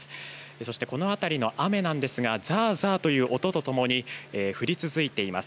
そしてこの辺りの雨なんですがザーザーという音とともに降り続いています。